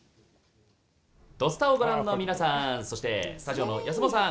「土スタ」をご覧の皆さんそしてスタジオの安元さん